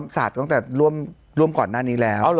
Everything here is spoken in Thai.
ศาสตร์ตั้งแต่ร่วมก่อนหน้านี้แล้ว